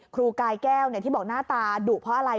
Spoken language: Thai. ครูกายแก้วที่บอกหน้าตาดุเพราะอะไร